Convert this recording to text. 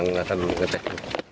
nanti diserahkan ke polri